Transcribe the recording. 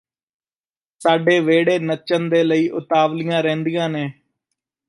ਸਾਡੇ ਵਿਹੜੇ ਨੱਚਣ ਲਈ ਉਤਾਵਲੀਆਂ ਰਹਿੰਦੀਆਂ ਨੇ